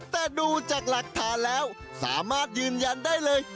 แต่ดูจากหลักฐานแล้วสามารถยืนยันได้เลย